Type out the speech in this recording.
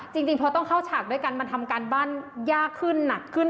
จริงเพราะต้องเข้าฉากด้วยกันมันทำการบ้านยากขึ้นหนักขึ้น